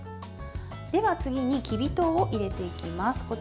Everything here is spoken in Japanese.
次に、きび糖を入れていきます。